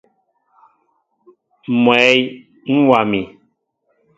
Mwɛy ń wa mi.